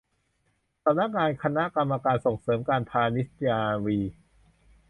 สำนักงานคณะกรรมการส่งเสริมการพาณิชยนาวี